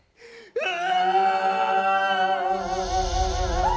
うわ！